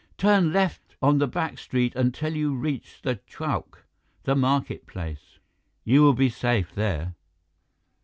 Turn left on the back street until you reach the chowk the market place! You will be safe there."